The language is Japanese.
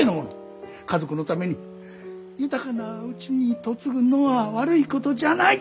家族のために豊かな家に嫁ぐのは悪いことじゃない。